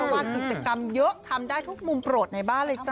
ว่ากิจกรรมเยอะทำได้ทุกมุมโปรดในบ้านเลยจ้